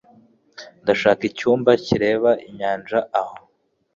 Ndashaka icyumba kireba inyanja aho.